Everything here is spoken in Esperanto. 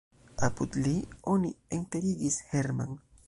Apud li oni enterigis Herrmann.